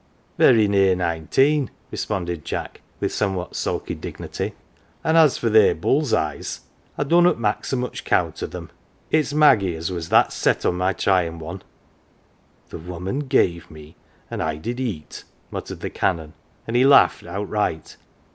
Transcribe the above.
" Very near nineteen," responded Jack with somewhat sulky dignity. " An" 1 as for they bull's eyes, I dunnot mak' so much count o' them. It's Maggie as was that set on my tryin' one "' The woman gave me ... and I did eat," 1 " muttered the Canon, and he laughed outright.